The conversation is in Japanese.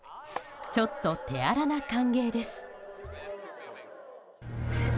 ちょっと手荒な歓迎です。